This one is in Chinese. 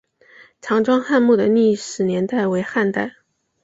常庄汉墓的历史年代为汉代。